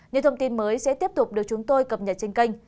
những thông tin mới sẽ tiếp tục được chúng tôi cập nhật trên kênh